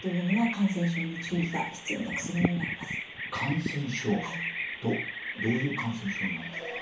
感染症どういう感染症になるんですか？